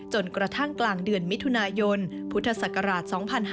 จนกระทั่งกลางเดือนมิถุนายนพุทธศักราช๒๕๕๙